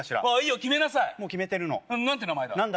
ああいいよ決めなさいもう決めてるの何て名前だ？